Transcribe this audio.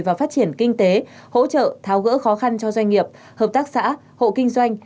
và phát triển kinh tế hỗ trợ tháo gỡ khó khăn cho doanh nghiệp hợp tác xã hộ kinh doanh